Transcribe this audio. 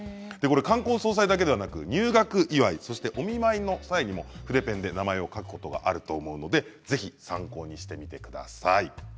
冠婚葬祭だけではなくて入学祝いやお見舞いの際にも筆ペンで名前を書くことがあると思いますのでぜひ参考にしてみてください。